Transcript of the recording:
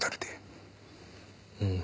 うん。